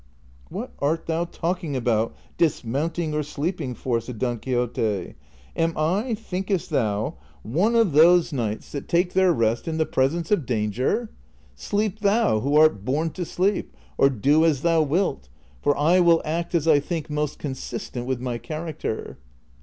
'' What art thou talking aboiit dismounting or sleeping for '■'" said Don Quixote. ^' Am I, thinkest thou, one of those knights 138 DON QUIXOTE. that take their rest in the presence of danger ? Sleep thou who art born to sleep, or do as thou wilt, for I Avill act as I think most consistent with my character."